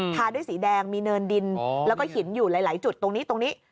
ทาด้วยสีแดงมีเนินดินแล้วก็หินอยู่หลายจุดตรงนี้ตรงนี้